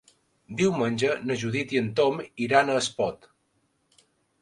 Diumenge na Judit i en Tom iran a Espot.